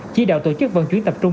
chỉ đạo tổ chức vận chuyển tập trung